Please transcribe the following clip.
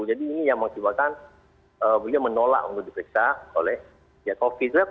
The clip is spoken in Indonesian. ini yang mengakibatkan beliau menolak untuk diperiksa oleh covid